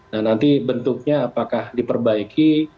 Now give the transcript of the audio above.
nah nanti bentuknya apakah diperbaiki